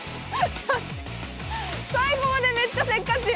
最後までめっちゃせっかち。